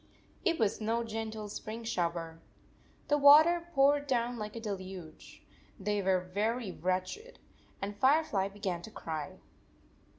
It was no gentle spring shower. The water poured down like a deluge. They were very wretched, and Firefly be gan to cry.